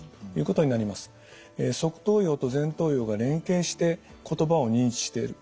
側頭葉と前頭葉が連携して言葉を認知している。